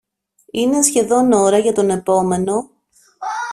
Είναι σχεδόν ώρα για τον επόμενο